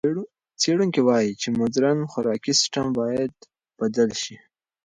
څېړونکي وايي چې مُدرن خوراکي سیستم باید بدل شي.